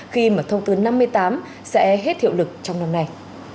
khi mà thông tư năm mươi tám sẽ hết hiệu lực trong năm nay